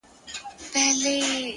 پرمختګ د دوامداره حرکت نوم دی!.